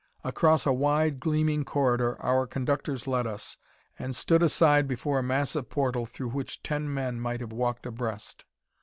Across a wide, gleaming corridor our conductors led us, and stood aside before a massive portal through which ten men might have walked abreast.